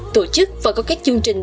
tổ chức và có các chương trình